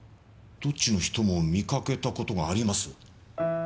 どっちの人も見かけた事があります。